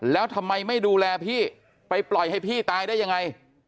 แล้วทำไมไม่ดูแลพี่ไปปล่อยให้พี่ตายได้ยังไง